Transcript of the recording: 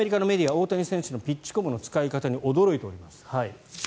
大谷選手のピッチコムの使い方に驚いております。